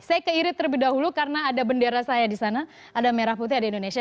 saya ke irit terlebih dahulu karena ada bendera saya di sana ada merah putih ada indonesia